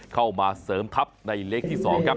เข้ามาเสริมทัพในเล็กที่๒ครับ